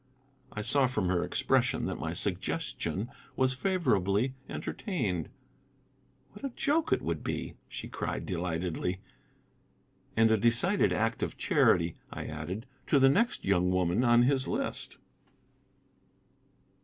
I saw from her expression that my suggestion was favorably entertained. "What a joke it would be!" she cried delightedly. "And a decided act of charity," I added, "to the next young woman on his list."